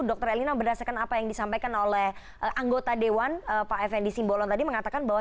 dr elina berdasarkan apa yang disampaikan oleh anggota dewan pak effendi simbolon tadi mengatakan bahwa